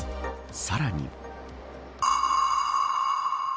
さらに。